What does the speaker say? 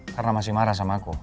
karena masih marah sama aku